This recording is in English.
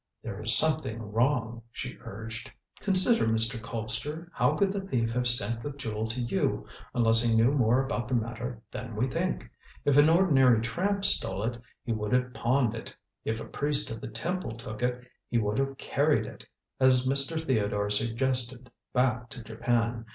"There is something wrong," she urged. "Consider, Mr. Colpster! How could the thief have sent the jewel to you unless he knew more about the matter than we think? If an ordinary tramp stole it, he would have pawned it; if a priest of the temple took it, he would have carried it, as Mr. Theodore suggested, back to Japan.